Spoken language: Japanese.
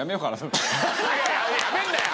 やめんなよ！